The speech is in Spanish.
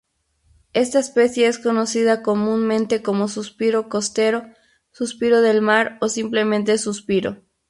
Esta especie es conocida comúnmente como 'Suspiro costero', 'Suspiro del mar' o simplemente 'Suspiro'.